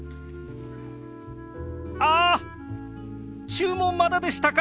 あ注文まだでしたか！